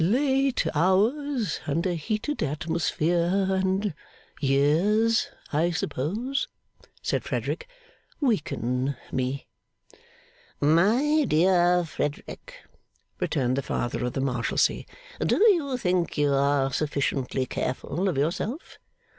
'Late hours, and a heated atmosphere, and years, I suppose,' said Frederick, 'weaken me.' 'My dear Frederick,' returned the Father of the Marshalsea, 'do you think you are sufficiently careful of yourself?